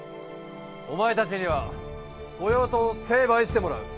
お前たちには御用盗を成敗してもらう。